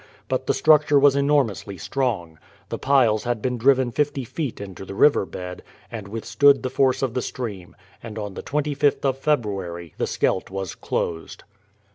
But the structure was enormously strong. The piles had been driven fifty feet into the river bed, and withstood the force of the stream, and on the 25th of February the Scheldt was closed.